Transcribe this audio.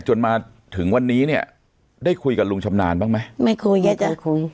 จนมาถึงวันนี้เนี่ยได้คุยกับลุงชำนาญบ้างไหมไม่คุยกันคุย